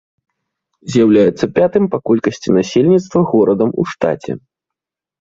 З'яўляецца пятым па колькасці насельніцтва горадам у штаце.